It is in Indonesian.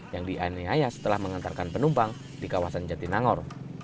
yang dianiaya setelah mengantarkan penumpang di kawasan jatinangor